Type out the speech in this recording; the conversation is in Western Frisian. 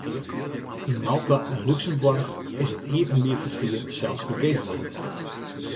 Yn Malta en Lúksemboarch is it iepenbier ferfier sels fergees wurden.